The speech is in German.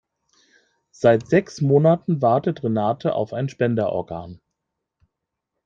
Seit sechs Monaten wartet Renate auf ein Spenderorgan.